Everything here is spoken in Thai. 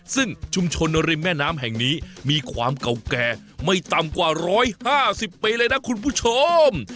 ซึ่งชุมชนริมแม่น้ำแห่งนี้มีความเก่าแก่ไม่ต่ำกว่า๑๕๐ปีเลยนะคุณผู้ชม